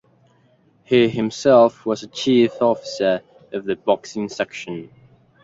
He himself was a chief officer of the boxing section.